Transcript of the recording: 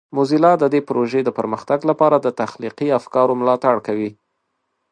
موزیلا د دې پروژې د پرمختګ لپاره د تخلیقي افکارو ملاتړ کوي.